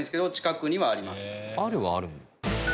あるはあるんだ。